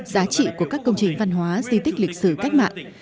giá trị của các công trình văn hóa di tích lịch sử cách mạng